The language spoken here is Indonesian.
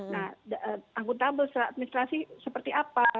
nah akuntabel secara administrasi seperti apa